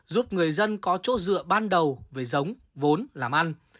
giúp người dân có chỗ dựa ban đầu về giống vốn làm ăn